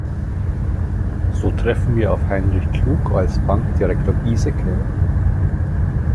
So treffen wir auf Heinrich Klug als "Bankdirektor Gieseke".